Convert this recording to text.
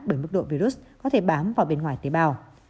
bởi mức độ virus có thể bám vào bên ngoài tế bào